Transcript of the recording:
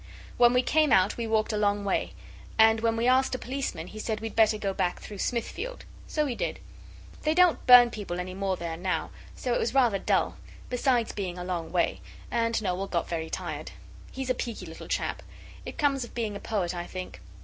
When we came out we walked a long way, and when we asked a policeman he said we'd better go back through Smithfield. So we did. They don't burn people any more there now, so it was rather dull, besides being a long way, and Noel got very tired. He's a peaky little chap; it comes of being a poet, I think.